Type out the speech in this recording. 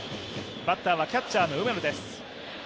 バッターはキャッチャーの梅野です。